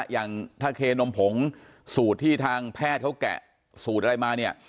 อย่างถ้าเคนมผงสูตรที่ทางแพทย์เขาแกะสูตรอะไรมาเนี่ย